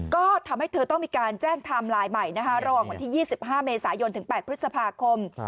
ก็ทำให้เธอต้องมีการแจ้งไทม์ไลน์ใหม่ระหว่างวันที่๒๕เมษายนถึง๘พฤษภาคม